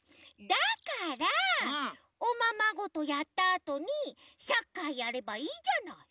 だからおままごとやったあとにサッカーやればいいじゃない。